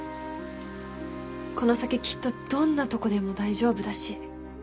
この先きっとどんなとこでも大丈夫だし